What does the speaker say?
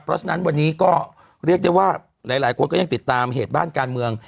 เพราะฉะนั้นวันนี้ก็เรียกได้ว่าหลายคนก็ยังติดตามเหตุบ้านการเมือง